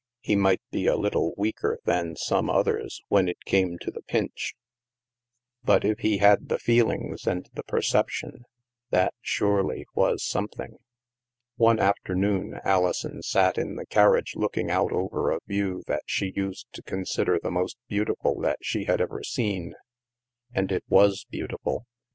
He might be a little weaker than some others, when it came to the pinch; but if he had 232 THE MASK the feelings and the perception, that, surely, was something! One afternoon Alison sat in the carriage looking out over a view that she used to consider the most beautiful that she had ever seen. And it was beau tiful.